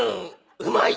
うまい。